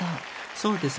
そうですね。